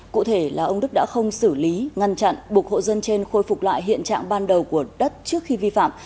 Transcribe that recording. cụ thể là ông đức đã không xử lý ngăn chặn buộc hộ dân trên khôi phục lại hiện trạng ban đầu của đất trước khi vi phạm